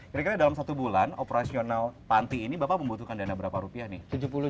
kira kira dalam satu bulan operasional panti ini bapak membutuhkan dana berapa rupiah nih